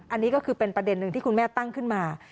อันนี้ก็คือเป็นประเด็นหนึ่งที่คุณแม่ตั้งขึ้นมา